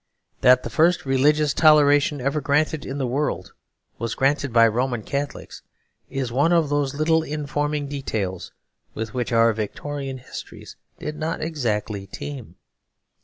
That the first religious toleration ever granted in the world was granted by Roman Catholics is one of those little informing details with which our Victorian histories did not exactly teem.